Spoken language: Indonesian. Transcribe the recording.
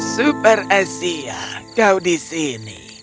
super asia kau di sini